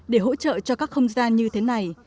để hỗ trợ cho các không gian như thế này